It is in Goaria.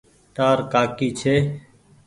تآر ڪآڪي ڇي۔